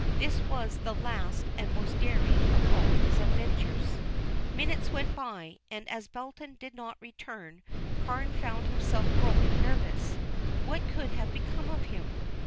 This was the last and most daring of all his adventures. Minutes went by, and as Belton did not return, Carne found himself growing nervous. What could have become of him?